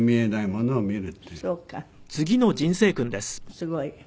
すごい。